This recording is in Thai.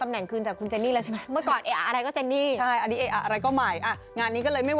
เหมือนโดมิโนอีกแล้ว